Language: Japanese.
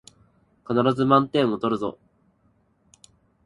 必ず満点取るぞ